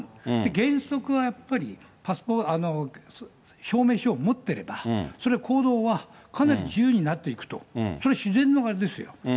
原則はやっぱり、証明書を持ってれば、それは行動はかなり自由になっていくと、それは自然の流れですよ。